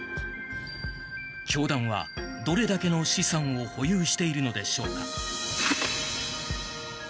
教団はどれだけの資産を保有しているのでしょうか。